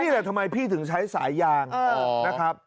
แหละทำไมพี่ถึงใช้สายยางนะครับ